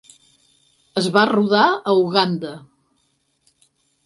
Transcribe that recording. Es va rodar a Uganda.